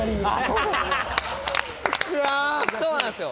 そうなんですよ。